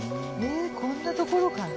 えこんなところから。